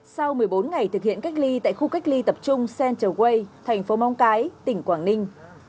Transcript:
sau một mươi bốn ngày thực hiện cách ly tại khu cách ly tập trung central quay thành phố móng cái tỉnh quảng ninh